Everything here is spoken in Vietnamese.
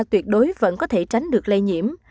tuyệt đối vẫn có thể tránh được lây nhiễm